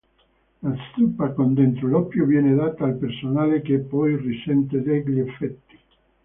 La zuppa con dentro l'oppio viene data al personale che poi risente degli effetti.